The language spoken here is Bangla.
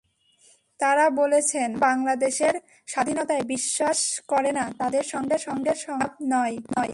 তাঁরা বলেছেন, যারা বাংলাদেশের স্বাধীনতায় বিশ্বাস করে না, তাদের সঙ্গে সংলাপ নয়।